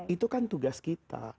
itu kan tugas kita